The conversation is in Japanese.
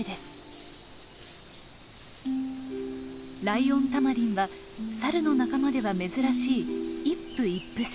ライオンタマリンはサルの仲間では珍しい一夫一婦制。